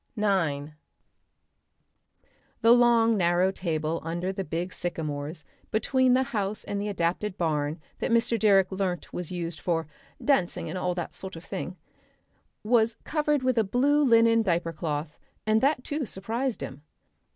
Section 9 The long narrow table under the big sycamores between the house and the adapted barn that Mr. Direck learnt was used for "dancing and all that sort of thing," was covered with a blue linen diaper cloth, and that too surprised him.